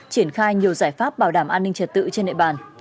triển khai nhiều giải pháp bảo đảm an ninh trật tự trên địa bàn